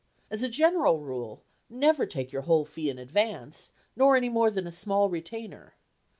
As a general rule, never take your whole fee in ad vance, nor any more than a small retainer.